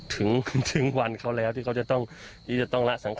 ถึงวันเขาแล้วที่เขาจะต้องที่จะต้องละสังค